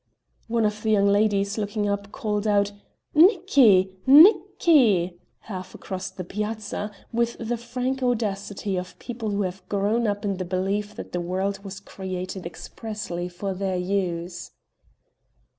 One of the young ladies, looking up, called out: "Nicki, Nicki!" half across the Piazza, with the frank audacity of people who have grown up in the belief that the world was created expressly for their use.